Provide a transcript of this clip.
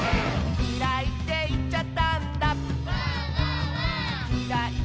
「きらいっていっちゃったんだ」